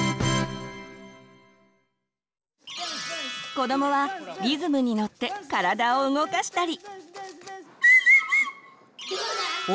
子どもはリズムにのって体を動かしたり。